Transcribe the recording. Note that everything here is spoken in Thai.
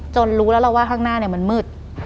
รู้แล้วเราว่าข้างหน้ามันมืด